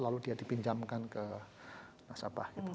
lalu dia dipinjamkan ke nasabah gitu